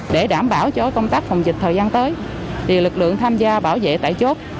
để đảm bảo cho công tác phòng dịch thời gian tới lực lượng tham gia bảo vệ tại chốt